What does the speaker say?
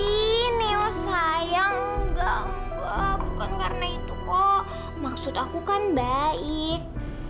ih nio sayang enggak enggak bukan karena itu kok maksud aku kan baik